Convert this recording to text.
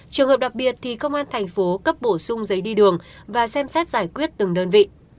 trường hợp đặc biệt thì công an thành phố cấp bổ sung giấy đi đường và xem xét giải quyết từng đơn vị